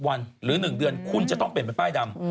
วันหรือ๑เดือนคุณจะต้องเปลี่ยนเป็นป้ายดำ